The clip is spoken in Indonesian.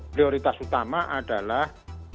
prioritas utama adalah